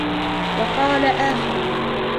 وَقَالَ آخَرُ